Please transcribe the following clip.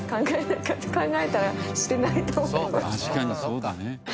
確かにそうだね。